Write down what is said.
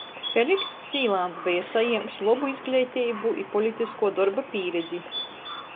Felikss Cīlāns beja sajiems lobu izgleiteibu i politiskuo dorba pīredzi.